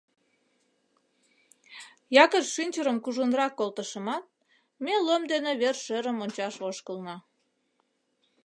Якорь шинчырым кужунрак колтышымат, ме Лом дене вер-шӧрым ончаш ошкылна.